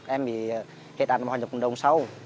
em thì hết ảnh vào hoạt động đông sau